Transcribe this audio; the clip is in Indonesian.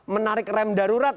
menarik rem darurat